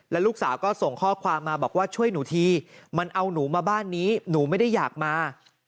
แล้วลูกสาวก็ส่งข้อความมาบอกว่าช่วยหนูทีมันเอาหนูมาบ้านนี้หนูไม่ได้อยากมา